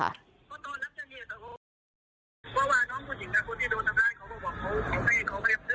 ว่าน้องผู้หญิงกับคนที่โดนทำร้ายเขาก็บอกว่าเขาไม่ทำเรื่องเขาไม่มีอะไรเขาเป็นแปลกนั้น